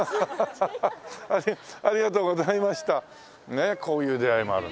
ねえこういう出会いもある。